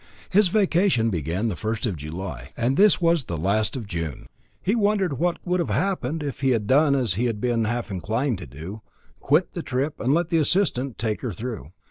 His vacation began the first of July, and as this was the last of June, he wondered what would have happened if he had done as he had been half inclined to do quit the trip and let the assistant take her through.